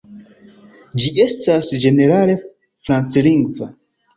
Ĝi estas ĝenerale franclingva.